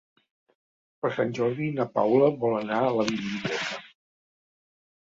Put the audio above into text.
Per Sant Jordi na Paula vol anar a la biblioteca.